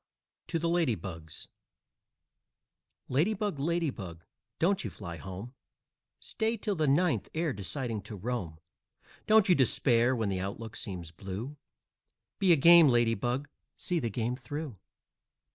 TO THE LADY BUGS Lady Bug, Lady Bug, don't you fly home Stay till the ninth ere deciding to roam; Don't you despair when the outlook seems blue, Be a game Lady Bug see the game through!